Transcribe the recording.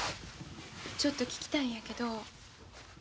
ちょっと聞きたいんやけど。